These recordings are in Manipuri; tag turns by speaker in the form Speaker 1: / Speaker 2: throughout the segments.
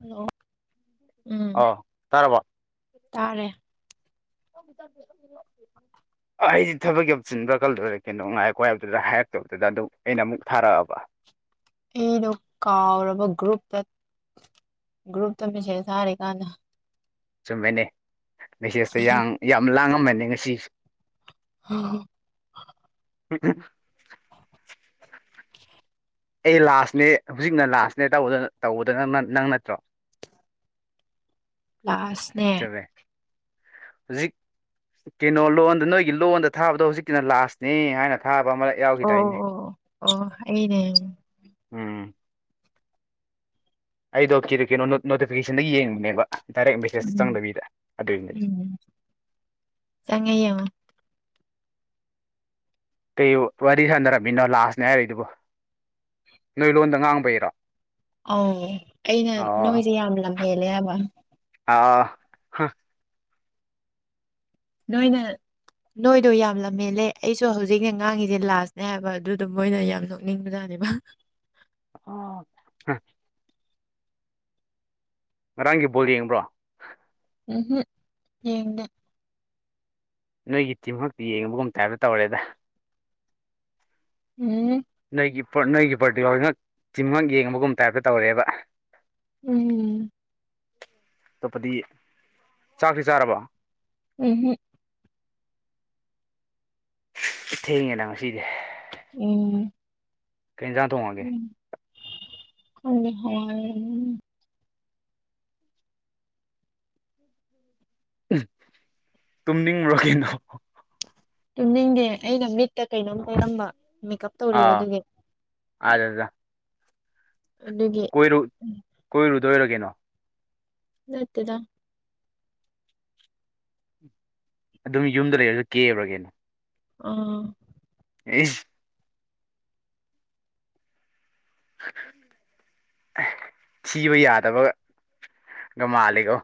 Speaker 1: ꯍꯜꯂꯣ ꯎꯝ
Speaker 2: ꯑꯣ ꯇꯥꯔꯕꯣ
Speaker 1: ꯇꯥꯔꯦ
Speaker 2: [inaudible] ꯑꯩ ꯊꯕꯛ ꯌꯥꯝ ꯆꯤꯟꯕ꯭ꯔꯥ ꯈꯜꯂꯨꯔꯦ ꯀꯩꯅꯣ ꯉꯥꯏꯈꯣ ꯍꯥꯏꯕꯗꯨꯗ ꯍꯥꯏꯔꯛꯇꯕꯗꯨꯗ ꯑꯗꯨꯛ ꯑꯩꯅ ꯑꯃꯨꯛ ꯊꯥꯔꯛꯑꯕ
Speaker 1: ꯑꯩꯗꯣ ꯀꯥꯎꯔꯕ ꯒ꯭ꯔꯨꯞꯇ ꯒ꯭ꯔꯨꯞꯇ ꯃꯦꯁꯦꯖ ꯊꯥꯔꯤꯀꯥꯟꯗ
Speaker 2: ꯆꯨꯝꯃꯅꯦ ꯃꯦꯁꯦꯁꯇ ꯌꯥꯡ ꯌꯥꯝ ꯂꯥꯡꯉꯝꯃꯅꯦ ꯉꯁꯤ
Speaker 1: [inaudible]
Speaker 2: [inaudible]
Speaker 1: [inaudible]
Speaker 2: ꯑꯩ ꯂꯥꯁꯅꯦ ꯍꯧꯖꯤꯛꯅ ꯂꯥꯁꯅꯦ ꯇꯧꯕꯗ ꯇꯧꯕꯗꯅ ꯅꯪ ꯅꯠꯇ꯭ꯔꯣ
Speaker 1: ꯂꯥꯁꯅꯦ
Speaker 2: ꯍꯨꯖꯤꯛ ꯀꯩꯅꯣ ꯂꯣꯟꯗ ꯅꯣꯏꯒꯤ ꯂꯣꯟꯗ ꯊꯥꯕꯗꯣ ꯍꯧꯖꯤꯛꯀꯤꯅ ꯂꯥꯁꯅꯤ ꯍꯥꯏꯅ ꯊꯥꯕ ꯑꯃ
Speaker 1: ꯑꯣ
Speaker 2: ꯌꯥꯎꯈꯤꯗꯥꯏꯅꯦ
Speaker 1: ꯑꯣ ꯑꯣ ꯑꯣ ꯑꯣ ꯑꯩꯅꯦ
Speaker 2: ꯎꯝ ꯑꯩꯗꯣ ꯀꯤꯔꯤ ꯀꯩꯅꯣ ꯅꯣꯇꯤꯐꯤꯀꯦꯁꯟꯗꯩꯩ ꯌꯦꯡꯕꯅꯦꯕ ꯗꯥꯏꯔꯦꯛ ꯃꯦꯁꯦꯖꯇ
Speaker 1: ꯎꯝ
Speaker 2: ꯆꯪꯗꯕꯤꯗ ꯑꯗꯨꯏꯅꯦ
Speaker 1: ꯎꯝ ꯆꯪꯉꯦ ꯌꯦꯡ ꯑꯣ
Speaker 2: ꯀꯩ ꯋꯥꯔꯤ ꯁꯥꯟꯅꯔꯝꯃꯤꯅꯣ ꯂꯥꯁꯅꯦ ꯍꯥꯏꯔꯤꯗꯨꯕꯨ ꯅꯣꯏ ꯂꯣꯟꯗ ꯉꯥꯡꯕꯩꯔꯣ
Speaker 1: ꯑꯧ ꯑꯩꯅ ꯅꯣꯏꯁꯦ ꯌꯥꯝ ꯂꯝ ꯍꯦꯜꯂꯦ ꯍꯥꯏꯕ
Speaker 2: ꯑꯥ
Speaker 1: ꯅꯣꯏꯅ ꯅꯣꯏꯗꯣ ꯌꯥꯝ ꯂꯝ ꯍꯦꯜꯂꯦ ꯑꯩꯁꯨ ꯍꯧꯖꯤꯛꯅꯦ ꯉꯥꯡꯉꯤꯁꯦ ꯂꯥꯁꯅꯦ ꯍꯥꯏꯕ ꯑꯗꯨꯗ ꯃꯣꯏꯅ ꯌꯥꯝ ꯅꯣꯛ ꯅꯤꯡꯕ ꯖꯥꯠꯅꯦꯕ
Speaker 2: ꯑꯣ ꯍꯝ ꯉꯔꯥꯡꯒꯤ ꯕꯣꯜ ꯌꯦꯡꯕ꯭ꯔꯣ
Speaker 1: ꯎꯝꯍꯝ ꯌꯦꯡꯗꯦ
Speaker 2: ꯅꯣꯏꯒꯤ ꯇꯤꯝ ꯈꯛꯇ ꯌꯦꯡꯕꯒꯨꯝ ꯇꯥꯏꯞꯇ ꯇꯧꯔꯦꯗ
Speaker 1: ꯎꯝ
Speaker 2: ꯅꯣꯏꯒꯤ ꯄꯣꯔꯠ ꯅꯣꯏꯒꯤ ꯄꯣꯔꯇꯨꯒꯥꯜ ꯉꯛ ꯇꯤꯝ ꯉꯛ ꯌꯦꯡꯕꯒꯨꯝ ꯇꯥꯏꯞꯇ ꯇꯧꯔꯦꯕ
Speaker 1: ꯎꯝ
Speaker 2: ꯑꯇꯣꯞꯄꯗꯤ ꯆꯥꯛꯇꯤ ꯆꯥꯔꯕꯣ
Speaker 1: ꯎꯝ ꯍꯝ
Speaker 2: ꯊꯦꯡꯉꯦꯗ ꯉꯁꯤꯗꯤ
Speaker 1: ꯎꯝ
Speaker 2: ꯀꯩꯖꯥꯡ
Speaker 1: ꯎꯝ ꯑꯈꯣꯏꯗꯤ ꯍꯋꯥꯏ ꯑꯣꯏꯔꯝꯅꯤ
Speaker 2: ꯇꯨꯝꯅꯤꯡꯕꯔ ꯀꯩꯅꯣ
Speaker 1: ꯇꯨꯝꯅꯤꯡꯗꯦ ꯑꯩꯅ ꯃꯤꯠꯇ ꯀꯩꯅꯣꯝ ꯇꯩꯔꯝꯕ ꯃꯦꯀꯞ
Speaker 2: ꯑꯥ
Speaker 1: ꯇꯧꯔꯤꯕꯑꯗꯨꯒꯤ
Speaker 2: [unintelligible]
Speaker 1: ꯑꯗꯨꯒꯤ
Speaker 2: ꯀꯣꯏꯔꯨ ꯀꯣꯏꯔꯨꯗꯣꯏꯔ ꯀꯩꯅꯣ
Speaker 1: ꯅꯠꯇꯦꯗ
Speaker 2: ꯑꯗꯨꯝ ꯌꯨꯝꯗ ꯂꯩꯔꯒ ꯀꯦꯕꯔꯥ ꯀꯩꯅꯣ
Speaker 1: ꯑꯥ
Speaker 2: ꯑꯦꯁ ꯊꯤꯕ ꯌꯥꯗꯕꯥꯒ ꯃꯥꯜꯂꯤꯀꯣ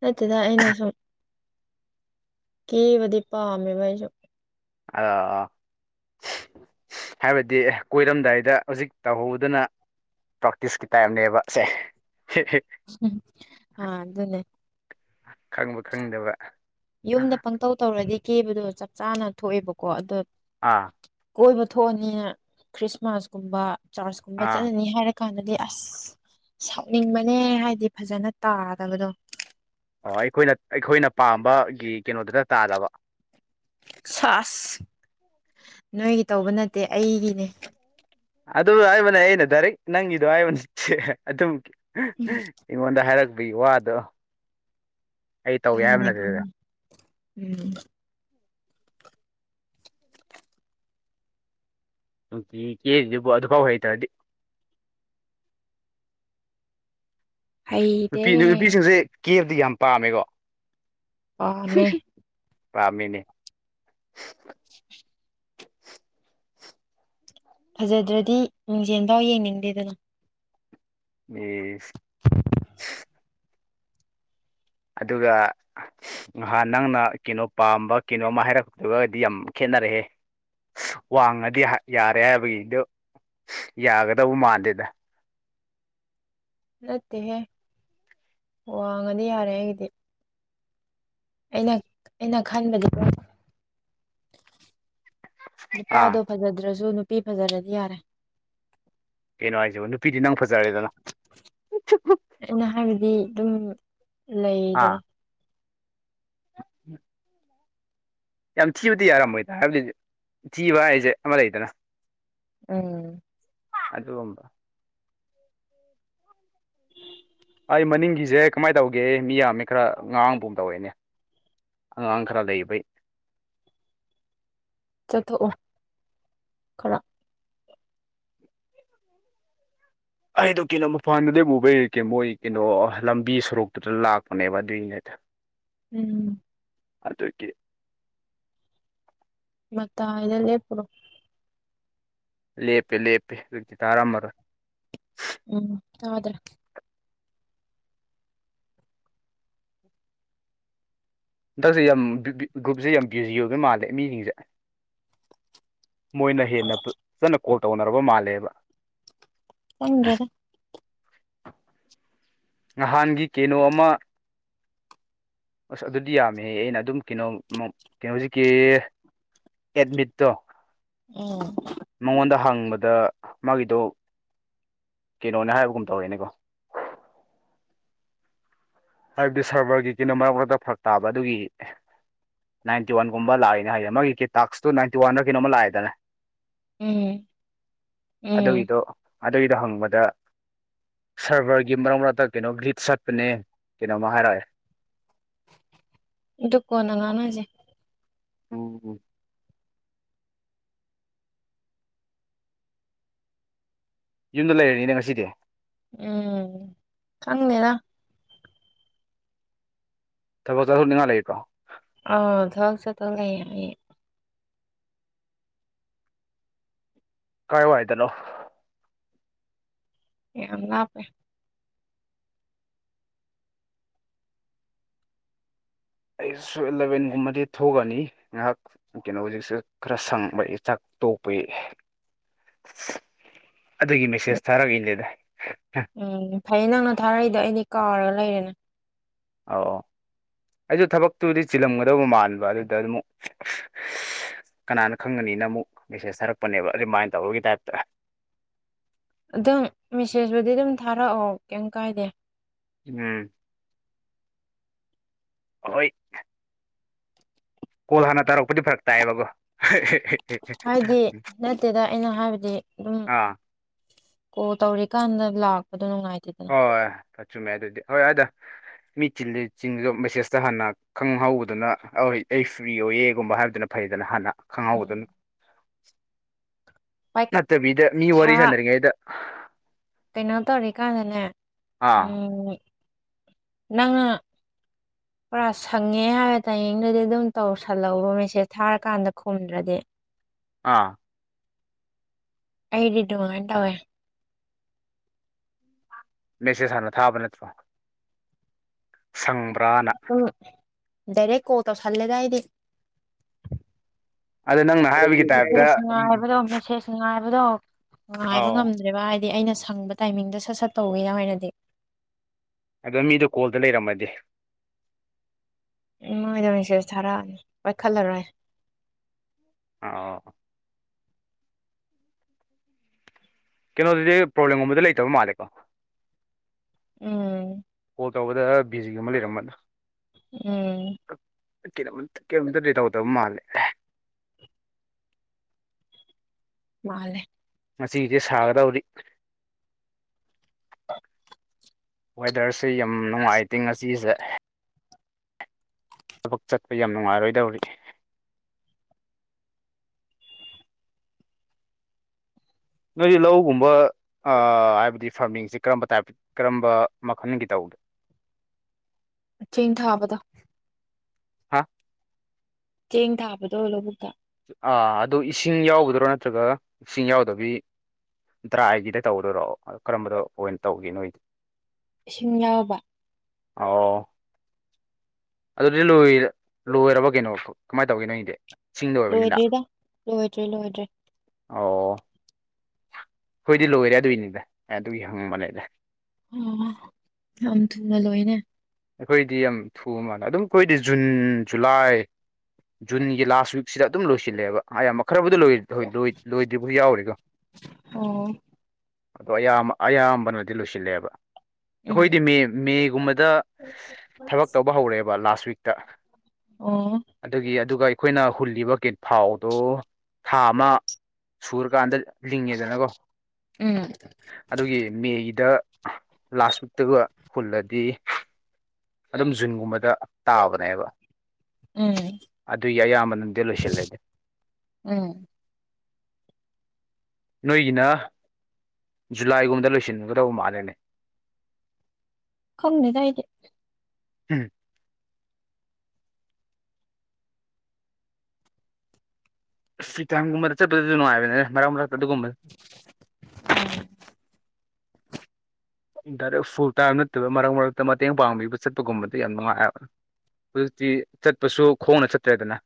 Speaker 1: ꯅꯠꯇꯦꯗ ꯑꯩꯅ ꯁꯨꯝ ꯀꯦꯕꯥꯗꯤ ꯄꯥꯝꯃꯦꯕꯥ ꯑꯩꯁꯨ
Speaker 2: ꯑꯥ ꯍꯥꯏꯕꯗꯤ ꯀꯣꯏꯔꯝꯗꯥꯏꯗ ꯍꯧꯖꯤꯛ ꯇꯧꯍꯧꯗꯅ ꯄ꯭ꯔꯥꯛꯇꯤꯁꯀꯤ ꯇꯥꯏꯞꯅꯦꯕ ꯁꯦ
Speaker 1: ꯑꯥ ꯑꯗꯨꯅꯦ
Speaker 2: ꯈꯪꯕ ꯈꯪꯗꯕ
Speaker 1: ꯌꯨꯝꯗ
Speaker 2: ꯑꯥ
Speaker 1: ꯄꯪꯇꯧ ꯇꯧꯔꯗꯤ ꯀꯦꯕꯗꯣ ꯆꯞ ꯆꯥꯅ ꯊꯣꯛꯑꯦꯕꯀꯣ ꯑꯗꯣ
Speaker 2: ꯑꯥ
Speaker 1: ꯀꯣꯏꯕ ꯊꯣꯛꯑꯥꯅꯤ ꯈ꯭ꯔꯤꯁꯃꯥꯁ ꯀꯨꯝꯕ ꯆꯥꯔꯆ ꯀꯨꯝꯕ
Speaker 2: ꯑꯥ
Speaker 1: ꯆꯠꯂꯅꯤ ꯍꯥꯏꯔꯛ ꯀꯥꯟꯗꯥꯗꯤ ꯑꯁ ꯁꯥꯎꯅꯤꯡꯕꯅꯦ ꯍꯥꯏꯗꯤ ꯐꯖꯥꯅ ꯇꯥꯗꯕꯗꯣ
Speaker 2: ꯑꯣ ꯑꯩꯈꯣꯏꯅ ꯑꯩꯈꯣꯏꯅ ꯄꯥꯝꯕꯒꯤ ꯀꯩꯅꯣꯗꯨꯗ ꯇꯥꯗꯕ
Speaker 1: ꯁꯥꯁ ꯅꯣꯏꯒꯤ ꯇꯧꯕ ꯅꯠꯇꯦ ꯑꯩꯒꯤꯅꯦ
Speaker 2: ꯑꯗꯨ ꯍꯥꯏꯕꯅꯦ ꯑꯩꯅ ꯗꯥꯏꯔꯦꯛ ꯅꯪꯒꯤꯗꯣ ꯍꯥꯏꯕꯅꯦ ꯑꯗꯨꯝ ꯑꯩꯉꯣꯟꯗꯥ ꯍꯥꯏꯔꯛꯄꯒꯤ ꯋꯥꯗꯣ ꯑꯩ ꯇꯧꯒꯦ ꯍꯥꯏꯕ
Speaker 1: ꯈꯪꯉꯤꯅꯦ
Speaker 2: ꯅꯠꯇꯦꯗ
Speaker 1: ꯈꯪꯉꯤ ꯎꯝ
Speaker 2: ꯅꯨꯡꯇꯤ ꯀꯦꯔꯤꯗꯨꯕꯨ ꯑꯗꯨꯐꯥꯎ ꯍꯩꯇꯔꯥꯗꯤ
Speaker 1: ꯍꯩꯇꯦ
Speaker 2: ꯅꯨꯄꯤ ꯅꯨꯄꯤꯁꯤꯡꯁꯦ ꯀꯦꯕꯥꯗꯤ ꯌꯥꯝ ꯄꯥꯝꯃꯦꯀꯣ
Speaker 1: ꯄꯥꯝꯃꯦ
Speaker 2: ꯄꯥꯝꯃꯦꯅꯦ
Speaker 1: ꯐꯖꯥꯗ꯭ꯔꯗꯤ ꯃꯤꯡꯖꯦꯜꯐꯥꯎ ꯌꯦꯡꯅꯤꯡꯗꯦꯗꯥꯅ
Speaker 2: ꯏꯁ ꯑꯗꯨꯒꯥ ꯉꯥꯍꯥꯟ ꯅꯪꯅ ꯀꯩꯅꯣ ꯄꯥꯝꯕ ꯀꯩꯅꯣꯝ ꯑꯃ ꯍꯥꯏꯔꯛꯄꯥꯒꯗꯤ ꯌꯥꯝ ꯈꯦꯠꯅꯔꯦꯍꯦ ꯋꯥꯡꯉꯥꯗꯤ ꯌꯥꯔꯦ ꯍꯥꯏꯕꯒꯤꯗꯨ ꯌꯥꯒꯗꯧꯃꯥꯟꯗꯦꯗ
Speaker 1: ꯅꯠꯇꯦꯍꯦ ꯋꯥꯡꯉꯥꯗꯤ ꯌꯥꯔꯦ ꯑꯩꯒꯤꯗꯤ ꯑꯩꯅ ꯑꯩꯅ ꯈꯟꯕꯗꯤ
Speaker 2: ꯑꯥ
Speaker 1: ꯅꯨꯄꯥꯗꯣ ꯐꯖꯥꯗ꯭ꯔꯁꯨ ꯅꯨꯄꯤ ꯐꯖꯥꯔꯗꯤ ꯌꯥꯔꯦ
Speaker 2: ꯀꯩꯅꯣ ꯍꯥꯏꯁꯤꯕꯨ ꯅꯨꯄꯤꯗꯤ ꯅꯪ ꯐꯖꯔꯦꯗꯥꯅ
Speaker 1: ꯑꯩꯅ ꯍꯥꯏꯕꯗꯤ ꯑꯗꯨꯝ ꯂꯩꯗꯅ
Speaker 2: ꯑꯥ [unintelligible] ꯌꯥꯝ ꯊꯤꯕꯗꯤ ꯌꯥꯔꯝꯃꯣꯏꯗꯥ ꯍꯥꯏꯕꯗꯤ ꯊꯤꯕ ꯍꯥꯏꯁꯦ ꯑꯃꯥ ꯂꯩꯗꯅ
Speaker 1: ꯑꯪ
Speaker 2: ꯑꯗꯨꯒꯨꯝꯕ ꯑꯩ ꯃꯅꯤꯡꯒꯤꯖ‌ꯦ ꯀꯃꯥꯏ ꯇꯧ [unintelligible] ꯃꯤ ꯌꯥꯝꯃꯦ ꯈꯔ ꯉꯥꯡꯕꯨꯝ ꯇꯧꯋꯦꯅꯦ ꯑꯉꯥꯡ ꯈꯔ ꯂꯩꯕꯩ
Speaker 1: ꯆꯊꯣꯑꯣ ꯈꯔ
Speaker 2: ꯑꯩꯗꯣ ꯀꯩꯅꯣ ꯃꯄꯥꯟꯗꯗ ꯕꯨꯕꯩ ꯀ‌ꯦ ꯃꯣꯏ ꯀꯩꯅꯣ ꯂꯝꯕꯤ ꯁꯣꯔꯣꯛꯇꯨꯗ ꯂꯥꯛꯄꯅꯦꯕ ꯑꯗꯨꯏ [unintelligible]
Speaker 1: ꯎꯝ
Speaker 2: ꯑꯗꯨꯒꯤ
Speaker 1: ꯃꯇꯥꯏꯗ ꯂꯦꯞꯄꯨꯔ‌ꯣ
Speaker 2: ꯂꯦꯞꯄꯦ ꯂꯦꯞꯄꯦ ꯍꯨꯖꯤꯇꯤ ꯇꯥꯔꯝꯃꯥꯔꯣꯏ
Speaker 1: ꯎꯝ ꯇꯥꯗ꯭ꯔ
Speaker 2: ꯍꯟꯗꯛꯁꯦ ꯌꯥꯝ ꯕꯤꯕꯤ ꯒ꯭ꯔꯨꯞꯖ‌ꯦ ꯌꯥꯝ ꯕꯤꯖꯤ ꯑꯣꯏꯕ ꯃꯥꯜꯂꯦ ꯃꯤꯁꯤꯡꯖ‌ꯦ ꯃꯣꯏꯅ ꯍꯦꯟꯅ ꯐ ꯐꯖꯅ ꯀꯣꯜ ꯇꯧꯅꯔꯕ ꯃꯥꯜꯂꯦꯕ
Speaker 1: ꯈꯪꯗꯦ
Speaker 2: ꯅꯥꯍꯥꯟꯒꯤ ꯀꯦꯅꯣ ꯑꯃ ꯑꯁ ꯑꯗꯨꯗꯤ ꯌꯥꯝꯃꯦꯍ‌ꯦ ꯑꯩꯅ ꯑꯗꯨꯝ ꯀ‌ꯦꯅꯣ ꯃ ꯀ‌ꯦꯅꯣꯖ‌ꯦ ꯀ‌ꯦꯌ‌ꯦ ꯑꯦꯠꯃꯤꯠꯇꯣ
Speaker 1: ꯎꯝ
Speaker 2: ꯃꯉꯣꯟꯗ ꯍꯪꯕꯗ ꯃꯥꯒꯤꯗꯣ ꯀꯦꯅꯣꯅꯦ ꯍꯥꯏꯕꯒꯨꯝ ꯇꯧꯋ‌ꯦꯅꯦꯀꯣ ꯍꯥꯏꯕꯗꯤ ꯁꯔꯚꯔꯒꯤ ꯀꯩꯅꯣ ꯃꯔꯛ ꯃꯔꯛꯇ ꯐꯔꯛ ꯇꯥꯕ ꯑꯗꯨꯒꯤ ꯅꯥꯏꯟꯇꯤ ꯋꯥꯟꯒꯨꯝꯕ ꯂꯥꯛꯏꯅ ꯍꯥꯏꯗꯤ ꯃꯥꯒꯤ ꯀ ꯇꯥꯛꯁꯇꯨ ꯅꯥꯏꯟꯇꯤ ꯋꯥꯟꯂꯥ ꯀꯩꯅꯣꯝꯃ ꯂꯥꯛꯏꯗꯅ
Speaker 1: ꯎꯝ ꯎꯝ
Speaker 2: ꯑꯗꯨꯒꯤꯗꯣ ꯑꯗꯨꯒꯤꯗꯣ ꯍꯪꯕꯗ ꯁꯔꯚꯔꯒꯤ ꯃꯔꯛ ꯃꯔꯛꯇ ꯀꯩꯅꯣ ꯒ꯭ꯂꯤꯞ ꯆꯠꯄꯅꯦ ꯀꯩꯅꯣꯃꯥ ꯍꯥꯏꯔ‌ꯑꯦ
Speaker 1: ꯗꯨ ꯀꯣꯟꯅ ꯉꯥꯡꯅꯖꯤ
Speaker 2: ꯎꯝ ꯎꯝ ꯌꯨꯝꯗ ꯂꯩꯔꯅꯤꯅꯦ ꯉꯁꯤꯗꯤ
Speaker 1: ꯎꯝ ꯈꯪꯗꯦꯗ
Speaker 2: ꯊꯕꯛ ꯆꯊꯣꯅꯤꯡꯉꯥꯏ ꯂꯩꯕꯔꯣ
Speaker 1: ꯑ ꯊꯕꯛ ꯆꯠꯇꯧ ꯂꯩ ꯑꯩ
Speaker 2: ꯀꯥꯏꯋꯥꯏꯗꯅꯣ
Speaker 1: ꯌꯥꯝ ꯂꯥꯞꯄꯦ
Speaker 2: ꯑꯩꯁꯨ ꯏꯂꯚꯦꯟꯒꯨꯝꯕꯗꯤ ꯊꯣꯛꯑꯅꯤ ꯉꯥꯏꯍꯥꯛ ꯀꯩꯅꯣ ꯍꯧꯖꯤꯛꯁꯨ ꯈꯔ ꯁꯪꯕ ꯏ ꯆꯥꯛ ꯇꯣꯛꯄꯒꯤ ꯑꯗꯨꯒꯤ ꯃꯦꯁꯦꯖ ꯊꯥꯔꯛꯏꯅꯦꯗ
Speaker 1: ꯎꯝ ꯐꯩ ꯅꯪꯅ ꯊꯥꯔꯛꯏꯗꯣ ꯑꯩꯗꯤ ꯀꯥꯎꯔꯒ ꯂꯩꯔꯤꯅꯤ
Speaker 2: ꯑꯧ ꯑꯧ ꯑꯩꯁꯨ ꯊꯕꯛꯇꯨꯗꯤ ꯆꯤꯜꯂꯝꯒꯗꯧꯕ ꯃꯥꯟꯕ ꯑꯗꯨꯗ ꯑꯃꯨꯛ [unintelligible] ꯀꯅꯥꯅ ꯈꯪꯒꯅꯤꯅ ꯑꯃꯨꯛ ꯃꯦꯁꯦꯁ ꯊꯥꯔꯛꯄꯅꯦꯕ ꯔꯤꯃꯥꯏꯟ ꯇꯧꯕꯒꯤ ꯇꯥꯏꯞꯇ
Speaker 1: ꯑꯗꯨꯝ ꯃꯦꯁꯦꯖꯕꯨꯗꯤ ꯑꯗꯨꯝ ꯊꯥꯔꯑꯣ ꯀꯩꯝ ꯀꯥꯏꯗꯦ
Speaker 2: ꯎꯝ ꯍꯣꯏ ꯀꯣꯜ ꯍꯥꯟꯅ ꯇꯥꯔꯛꯄꯗꯤ ꯐꯔꯛ ꯇꯥꯏꯌꯦꯕꯀꯣ
Speaker 1: ꯍꯥꯏꯗꯤ ꯅꯠꯇꯦꯗ ꯑꯩꯅ ꯍꯥꯏꯕꯗꯤ ꯗꯨꯝ
Speaker 2: ꯑꯥ
Speaker 1: ꯀꯣꯜ ꯇꯧꯔꯤꯀꯥꯟꯗ ꯂꯥꯛꯄꯗꯣ ꯅꯨꯡꯉꯥꯏꯇꯦ
Speaker 2: ꯍꯣꯏ ꯑ ꯆꯨꯝꯃꯦ ꯑꯗꯨꯗꯤ ꯍꯣꯏ ꯑꯗ‌ꯣ ꯃꯤꯆꯤꯜꯂꯤ ꯆꯤꯜꯒ ꯃꯦꯁꯦꯖꯇ ꯍꯥꯟꯅ ꯈꯪꯍꯧꯗꯅ ꯑꯧ ꯑꯩ ꯐ꯭ꯔꯤ ꯑꯣꯏꯌꯦꯒꯨꯝꯕ ꯍꯥꯏꯕꯗꯨꯅ ꯐꯩꯗꯅ ꯍꯥꯟꯅ
Speaker 1: ꯎꯝ
Speaker 2: ꯈꯪꯍꯧꯕꯗꯨꯅ ꯅꯠꯇꯕꯤꯗ ꯃꯤ ꯋꯥꯔꯤ
Speaker 1: ꯄꯩꯈꯥ
Speaker 2: ꯁꯥꯟꯅꯔꯤꯉꯩꯗ
Speaker 1: ꯀꯩꯅꯣ ꯇꯧꯔꯤꯀꯥꯟꯗꯅꯦ
Speaker 2: ꯑꯥ
Speaker 1: ꯎꯝ ꯅꯪꯅ
Speaker 2: [inaudible]
Speaker 1: ꯄꯨꯔꯥ ꯁꯪꯉꯦ ꯍꯥꯏꯕ ꯇꯥꯏꯃꯤꯡꯗꯨꯗꯤ ꯑꯗꯨꯝ ꯇꯧꯁꯜꯂꯛꯑꯣꯕ ꯃꯦꯁꯦꯁ ꯊꯥꯔꯀꯥꯟꯗ ꯈꯨꯝꯗ꯭ꯔꯗꯤ
Speaker 2: ꯑꯥ
Speaker 1: ꯑꯩꯗꯤ ꯗꯨꯃꯥꯏ ꯇꯧꯋꯦ
Speaker 2: ꯃꯦꯁꯦꯁ ꯍꯥꯟꯅ ꯊꯥꯕ ꯅꯠꯇ꯭ꯔꯣ ꯁꯪꯕ
Speaker 1: ꯗꯨꯝ ꯗꯥꯏꯔꯦꯛ ꯀꯣꯜ ꯇꯧꯁꯜꯂꯦꯗ ꯑꯩꯗꯤ
Speaker 2: ꯑꯗ ꯅꯪꯅ ꯍꯥꯏꯕꯒꯤ ꯇꯥꯏꯞꯇ
Speaker 1: ꯃꯦꯁꯦꯁ ꯉꯥꯏꯕꯗꯣ ꯃꯦꯁꯦꯁ ꯉꯥꯏꯕꯗꯣ ꯉꯥꯏꯕ
Speaker 2: ꯑꯧ
Speaker 1: ꯉꯝꯗ꯭ꯔꯦꯕ ꯍꯥꯏꯗꯤ ꯑꯩꯅ ꯁꯪꯕ ꯇꯥꯏꯃꯤꯡꯗ ꯁꯠ ꯁꯠ ꯇꯧꯕꯩ ꯑꯣꯏꯅꯗꯤ
Speaker 2: ꯑꯗꯣ ꯃꯤꯗꯣ ꯀꯣꯜꯗ ꯂꯩꯔꯝꯃꯗꯤ
Speaker 1: ꯎꯝ ꯃꯣꯏꯗ ꯃꯦꯁꯦꯁ ꯊꯥꯔꯛꯑꯅꯤ ꯄꯥꯏꯈꯠꯂꯔꯣꯏ
Speaker 2: ꯑꯥꯑꯣ ꯀꯩꯅꯣꯗꯨꯗꯤ ꯄ꯭ꯔꯣꯕ꯭ꯂꯦꯝꯒꯨꯝꯕꯗꯤ ꯂꯩꯇꯕ ꯃꯥꯜꯂꯦꯀꯣ
Speaker 1: ꯎꯝ
Speaker 2: ꯀꯣꯜ ꯇꯧꯕꯗ ꯕꯤꯖꯤꯒꯨꯝꯕ ꯂꯩꯔꯝꯃꯗꯣ
Speaker 1: ꯎꯝ
Speaker 2: ꯀꯩꯅꯣꯝ ꯀꯩꯅꯣꯝꯇꯗꯤ ꯇꯧꯗꯕ ꯃꯥꯜꯂꯦ
Speaker 1: ꯃꯥꯜꯂꯦ
Speaker 2: ꯉꯁꯤꯒꯤꯗꯤ ꯁꯥꯒꯗꯧꯔꯤ
Speaker 1: [unintelligible]
Speaker 2: ꯋꯦꯗꯔꯁꯦ ꯌꯥꯝ ꯅꯨꯡꯉꯥꯏꯇꯦ ꯉꯁꯤꯖꯦ ꯊꯕꯛ ꯆꯠꯄ ꯌꯥꯝ ꯅꯨꯡꯉꯥꯏꯔꯣꯏꯗꯧꯔꯤ ꯅꯣꯏꯗꯤ ꯂꯧꯒꯨꯝꯕ ꯑꯥ ꯍꯥꯏꯕꯗꯤ ꯐꯥꯔꯃꯤꯡꯁꯤ ꯀꯔꯝꯕ ꯇꯥꯏꯞ ꯀꯔꯝꯕ ꯃꯈꯜꯒꯤ ꯇꯧꯒꯦ
Speaker 1: ꯆꯦꯡ ꯊꯥꯕꯗꯣ
Speaker 2: ꯍꯥ
Speaker 1: ꯆꯦꯡ ꯊꯥꯕꯗꯣ ꯂꯧꯕꯨꯛꯇ
Speaker 2: ꯑꯥ ꯑꯗꯨ ꯏꯁꯤꯡ ꯌꯥꯎꯒꯗ꯭ꯔꯣ ꯅꯠꯇ꯭ꯔꯒ ꯏꯁꯤꯡ ꯌꯥꯎꯗꯕꯤ ꯗ꯭ꯔꯥꯏꯒꯤꯗ ꯇꯧꯗꯣꯏꯔꯣ ꯀꯔꯝꯕꯗ ꯑꯣꯏꯅ ꯇꯧꯒꯦ ꯅꯣꯏꯗꯤ
Speaker 1: ꯏꯁꯤꯡ ꯌꯥꯎꯕ
Speaker 2: ꯑꯣ ꯑꯗꯨꯗꯤ ꯂꯣꯏꯔ ꯂꯣꯏꯔꯕꯣ ꯀꯩꯅꯣ ꯀꯃꯥꯏ ꯇꯧꯒꯦ ꯅꯪꯒꯤꯗꯤ
Speaker 1: ꯂꯣꯏꯗ꯭ꯔꯤꯗ ꯂꯣꯏꯗ꯭ꯔꯤ ꯂꯣꯏꯗ꯭ꯔꯤ
Speaker 2: ꯑꯣ ꯑꯩꯈꯣꯏꯗꯤ ꯂꯣꯏꯔꯦ ꯑꯗꯨꯏꯅꯤꯗ ꯑꯗꯨꯒꯤ ꯍꯪꯕꯅꯤꯗ
Speaker 1: ꯎꯝ ꯌꯥꯝ ꯊꯨꯅ ꯂꯣꯏꯅꯦ
Speaker 2: ꯑꯩꯈꯣꯏꯗꯤ ꯌꯥꯝ ꯊꯨꯕ ꯃꯥꯜꯂꯦ ꯑꯗꯨꯝ ꯑꯩꯈꯣꯏꯗꯤ ꯖꯨꯟ ꯖꯨꯂꯥꯏ ꯖꯨꯟꯒꯤ ꯂꯥꯁ ꯋꯤꯛꯁꯤꯗ ꯑꯗꯨꯝ ꯂꯣꯏꯁꯤꯜꯂꯦꯕ [unintelligible] ꯈꯔꯕꯨꯗꯤ ꯂꯨꯏ ꯂꯣꯏ ꯂꯣꯏ ꯂꯣꯏꯗ꯭ꯔꯤꯕꯒꯥ ꯌꯥꯎꯔꯤꯗꯣ
Speaker 1: ꯑꯣ
Speaker 2: ꯑꯗꯣ ꯑꯌꯥꯝꯕ ꯑꯌꯥꯝꯕꯅꯗꯤ ꯂꯣꯏꯁꯤꯜꯂꯦꯕ
Speaker 1: ꯎꯝ
Speaker 2: ꯑꯩꯈꯣꯏꯗꯤ ꯃꯦ ꯃꯦꯒꯨꯝꯕꯗ
Speaker 1: [inaudible]
Speaker 2: ꯊꯕꯛ ꯇꯧꯕ ꯍꯧꯔꯦꯕ ꯂꯥꯁ ꯋꯤꯛꯇ
Speaker 1: ꯑꯣ
Speaker 2: ꯑꯗꯨꯒꯤ ꯑꯗꯨꯒ ꯑꯩꯈꯣꯏꯅ ꯍꯨꯜꯂꯤꯕ ꯀꯤꯠ ꯐꯥꯎꯗꯨ ꯊꯥ ꯑꯃ ꯁꯨꯔꯀꯥꯟꯗ ꯂꯤꯡꯉꯦꯗꯅꯀꯣ
Speaker 1: ꯎꯝ
Speaker 2: ꯑꯗꯨꯒꯤ ꯃꯦꯒꯤꯗ ꯂꯥꯁ ꯋꯤꯛꯇꯒ ꯍꯨꯜꯂꯗꯤ ꯑꯗꯨꯝ ꯖꯨꯟꯒꯨꯝꯕꯗ ꯇꯥꯕꯅꯦꯕ
Speaker 1: ꯎꯝ
Speaker 2: ꯑꯗꯨꯒꯤ ꯑꯌꯥꯝꯕꯅꯗꯤ ꯂꯣꯏꯁꯤꯜꯂꯗꯤ
Speaker 1: ꯎꯝ
Speaker 2: ꯅꯣꯏꯒꯤꯅ ꯖꯨꯂꯥꯏꯒꯨꯝꯗ ꯂꯣꯏꯁꯤꯟꯒꯗꯧꯕ ꯃꯥꯜꯂꯦꯅꯦ
Speaker 1: ꯈꯪꯗꯦꯗ ꯑꯩꯗꯤ
Speaker 2: ꯎꯝ ꯐꯔꯤ ꯇꯥꯏꯝ ꯒꯨꯝꯕꯗ ꯆꯠꯄꯗꯁꯨ ꯅꯨꯡꯉꯥꯏꯕꯅꯦ ꯃꯔꯛ ꯃꯔꯛꯇ ꯑꯗꯨꯒꯨꯝꯕꯗꯣ
Speaker 1: ꯎꯝ
Speaker 2: ꯗꯥꯏꯔꯦꯛ ꯐꯨꯜ ꯇꯥꯏꯝ ꯅꯠꯇꯕ ꯃꯔꯛ ꯃꯔꯛꯇ ꯃꯇꯦꯡ ꯄꯥꯡꯕꯤꯕ ꯆꯠꯄꯒꯨꯝꯕꯗꯣ ꯌꯥꯝ ꯅꯨꯡꯉꯥꯏꯕ ꯍꯧꯖꯤꯛꯇꯤ ꯆꯠꯄꯁꯨ ꯈꯣꯡꯅ ꯆꯠꯇ꯭ꯔꯦꯗꯅ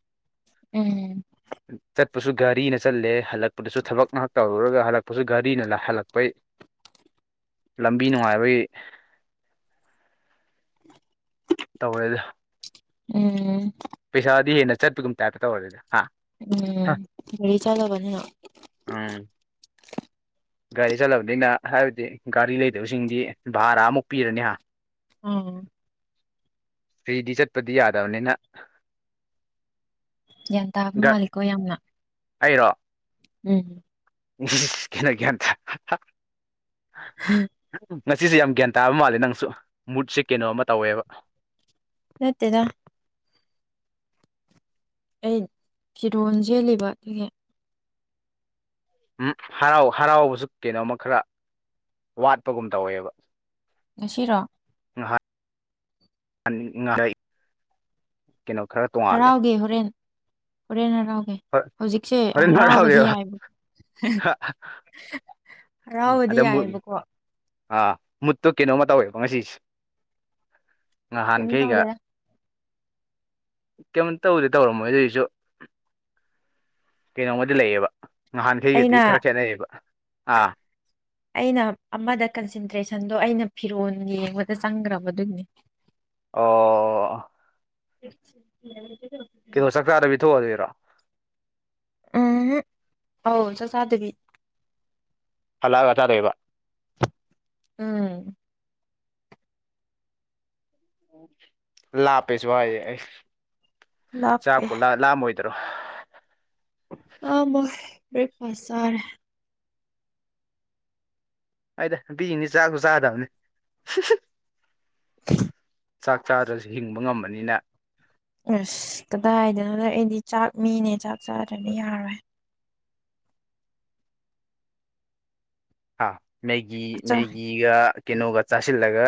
Speaker 1: ꯎꯝ
Speaker 2: [inaudible] ꯆꯠꯄꯁꯨ ꯒꯥꯔꯤꯅ ꯆꯠꯂꯦ ꯍꯜꯂꯛꯄꯗꯁꯨ ꯊꯕꯛ ꯉꯥꯏꯍꯥꯛ ꯇꯧꯔꯨꯔꯒ ꯍꯜꯂꯛꯄꯁꯨ ꯒꯥꯔꯤꯅ ꯍꯜꯂꯛꯄꯩ ꯂꯝꯕꯤ ꯅꯨꯡꯉꯥꯏꯕꯩ ꯇꯧꯔꯦꯗ
Speaker 1: ꯎꯝ
Speaker 2: ꯄꯩꯁꯥꯗꯤ ꯍꯦꯟꯅ ꯆꯠꯄꯒꯨꯝ ꯇꯥꯏꯞꯇ ꯇꯧꯔꯦꯗ ꯍꯥ
Speaker 1: ꯎꯝ ꯒꯥꯔꯤ ꯆꯠꯂꯕꯅꯤꯅ
Speaker 2: ꯎꯝ ꯒꯥꯔꯤꯗ ꯆꯠꯂꯕꯅꯤꯅ ꯍꯥꯏꯕꯗꯤ ꯒꯥꯔꯤ ꯂꯩꯗꯕꯁꯤꯡꯗꯤ ꯚꯥꯔꯥ ꯑꯃꯨꯛ ꯄꯤꯔꯅꯤ ꯍꯥ
Speaker 1: ꯎꯝ
Speaker 2: ꯐ꯭ꯔꯤꯗꯤ ꯆꯠꯄꯗꯤ ꯌꯥꯗꯕꯅꯤꯅ
Speaker 1: ꯒ꯭ꯌꯥꯟ ꯇꯥꯕ ꯃꯥꯜꯂꯤꯀꯣ ꯌꯥꯝꯅ
Speaker 2: ꯑꯩꯔꯣ
Speaker 1: ꯎꯝ
Speaker 2: [unintelligible]
Speaker 1: [unintelligible]
Speaker 2: ꯉꯁꯤꯁꯦ ꯌꯥꯝ ꯒ꯭ꯌꯥꯟ ꯇꯥꯕ ꯃꯥꯜꯂꯦ ꯅꯪꯁꯨ ꯃꯨꯠꯁꯦ ꯀꯩꯅꯣ ꯑꯃ ꯇꯧꯋꯦꯕ
Speaker 1: ꯅꯠꯇꯦꯗ ꯑꯩ ꯐꯤꯔꯣꯟ ꯁꯦꯠꯂꯤꯕ ꯑꯗꯨꯒꯤ
Speaker 2: ꯎꯝ ꯍꯔꯥꯎ ꯍꯔꯥꯎꯕꯁꯨ ꯀꯩꯅꯣꯝꯃ ꯈꯔ ꯋꯥꯠꯄꯒꯨꯝ ꯇꯧꯋꯦꯕ
Speaker 1: ꯉꯁꯤꯔꯣ
Speaker 2: ꯉꯍꯥꯟ [unintelligible] ꯀꯩꯅꯣ ꯈꯔ [unintelligible]
Speaker 1: ꯍꯔꯥꯎꯒꯦ ꯍꯣꯔꯦꯟ ꯍꯣꯔꯦꯟ ꯍꯔꯥꯎꯒꯦ ꯍꯧꯖꯤꯛꯁꯦ
Speaker 2: ꯍꯣꯔꯦꯟ
Speaker 1: ꯍꯔꯥꯎꯕꯗꯤ
Speaker 2: ꯍꯔꯥꯎꯒꯦꯕ
Speaker 1: ꯌꯥꯏꯕ ꯍꯔꯥꯎꯕꯗꯤ
Speaker 2: ꯑꯗ ꯃꯨꯠ
Speaker 1: ꯌꯥꯏꯑꯦꯕꯀꯣ
Speaker 2: ꯑꯥ ꯃꯨꯠꯇꯨ ꯀꯩꯅꯣꯝꯃ ꯇꯧꯋꯦꯕꯀꯣ ꯉꯁꯤꯁꯦ
Speaker 1: ꯀꯩꯝ
Speaker 2: ꯅꯍꯥꯟꯈꯩꯒ
Speaker 1: ꯇꯧꯗꯦꯗ
Speaker 2: ꯀꯩꯝꯇ ꯇꯧꯗꯦ ꯇꯧꯔꯝꯃꯣꯏ ꯑꯗꯨꯏꯁꯨ ꯀꯩꯅꯣꯝꯃꯗꯤ ꯂꯩꯌꯦꯕ ꯉꯍꯥꯟꯈꯩꯒꯗꯤ
Speaker 1: ꯑꯩꯅ
Speaker 2: ꯈꯔ ꯈꯦꯠꯅꯩꯌꯦꯕ ꯑꯥ
Speaker 1: ꯑꯩꯅ ꯑꯃꯗ ꯀꯟꯁꯦꯟꯇ꯭ꯔꯦꯁꯟꯗꯣ ꯑꯩꯅ ꯐꯤꯔꯣꯜ ꯌꯦꯡꯕꯗ ꯆꯪꯈ꯭ꯔꯕ ꯑꯗꯨꯒꯤꯅꯤ
Speaker 2: ꯑꯣ
Speaker 1: ꯁꯤꯗ [inaudible]
Speaker 2: ꯀꯩꯅꯣ ꯆꯥꯛꯆꯥꯥꯗꯕꯤ ꯊꯣꯛꯍꯜꯂꯤꯔꯣ
Speaker 1: ꯎꯝ ꯍꯨꯝ ꯑꯧ ꯆꯥꯛ ꯆꯥꯗꯕꯤ
Speaker 2: ꯍꯜꯂꯛꯑꯒ ꯆꯥꯗꯣꯏꯕ
Speaker 1: ꯎꯝ
Speaker 2: ꯂꯥꯞꯄꯦꯁꯨ ꯍꯥꯏꯌꯦ ꯑꯩꯁ
Speaker 1: ꯂꯥꯞꯄꯦ
Speaker 2: ꯆꯥꯛꯄꯣ ꯂꯥꯝꯃꯣꯏꯗꯔꯣ
Speaker 1: ꯂꯤꯃꯣꯟ ꯕꯦꯛ ꯐꯁ ꯆꯥꯔꯦ
Speaker 2: ꯍꯣꯏꯗ ꯅꯨꯄꯤ ꯁꯤꯛꯗꯤ ꯆꯥꯛꯁꯨ ꯆꯥꯗꯕꯅꯤ
Speaker 1: [unintelligible]
Speaker 2: ꯆꯥꯛ ꯆꯥꯗ꯭ꯔꯁꯨ ꯍꯤꯡꯕ ꯉꯝꯕꯅꯤꯅ
Speaker 1: ꯑꯁ ꯀꯗꯥꯏꯗꯩꯅꯣ ꯗ ꯑꯩꯗꯤ ꯆꯥꯛ ꯃꯤꯅꯦ ꯆꯥꯛ ꯆꯥꯗꯗꯤ ꯌꯥꯔꯣꯏ
Speaker 2: ꯍꯥ ꯃꯦꯒꯤ
Speaker 1: ꯑꯆꯥ
Speaker 2: ꯃꯦꯒꯤꯒ ꯀꯩꯅꯣꯒ ꯆꯥꯁꯤꯜꯂꯒ